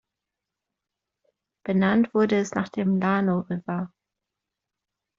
Benannt wurde es nach dem Llano River.